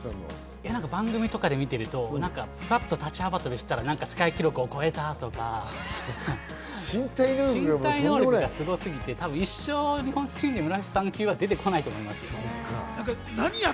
番組とかで立ち幅跳びをしたら、世界記録を超えたとか、身体能力がすごすぎて、一生日本人で室伏さん級は出てこないと思います。